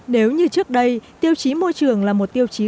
nếu như trước đây tiêu chí môi trường là một tiêu chí